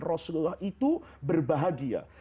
rasulullah itu berbahagia